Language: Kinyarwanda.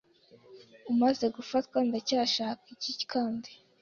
umaze gufatwa ndacyashaka iki kandi